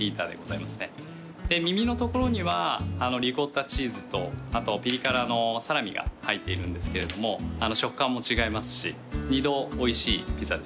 耳のところにはリコッタチーズとあとピリ辛のサラミが入っているんですけれども食感も違いますし２度おいしいピザですね。